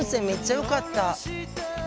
めっちゃよかった。